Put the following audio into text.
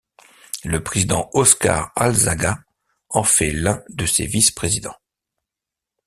Le président Óscar Alzaga en fait l'un de ses vice-présidents.